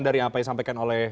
dari apa yang disampaikan oleh